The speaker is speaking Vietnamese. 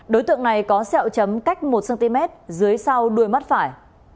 đối tượng này có sẹo chấm cách một cm dưới sau đuôi mắt phải